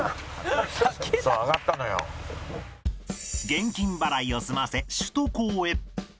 現金払いを済ませ首都高へ